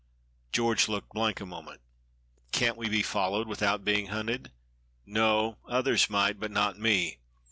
George looked blank a moment. "Can't we be followed without being hunted?" "No; others might, but not me.